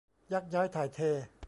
ยักย้ายถ่ายเท